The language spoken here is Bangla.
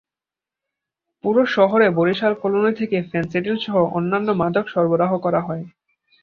পুরো শহরে বরিশাল কলোনি থেকে ফেনসিডিলসহ অন্যান্য মাদক সরবরাহ করা হয়।